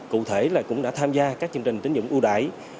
cụ thể là cũng đã tham gia các chương trình tính dụng ưu đại